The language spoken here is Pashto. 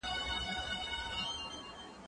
کار د ډلې لخوا ترسره کېږي!.